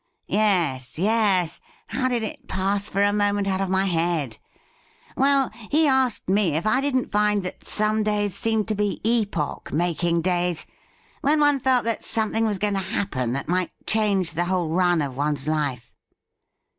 ' Yes, yes — ^how did it pass for a moment out of my head ? Well, he asked me if I didn't find that some days seemed to be epoch making days — when one felt that some thing was going to happen that might change the whole run of one's life.'